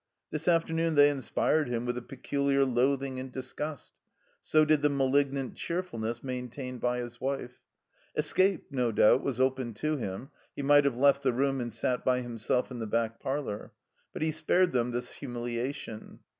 This afternoon they inspired him with a peculiar loathing and disgust. So did the malignant cheer fidness maintained by his wife. Escape no doubt was open to him. He might have left the room and sat by himself in the back parlor. But he spared them this humiliation.